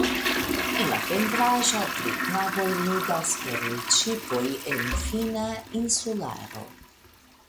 En la pentraĵo tri knaboj ludas per ludŝipoj en finna insularo.